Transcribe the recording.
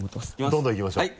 もうどんどんいきましょう。